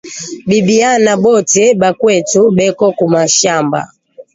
Ba biyana bote ba kwetu beko ku mashamba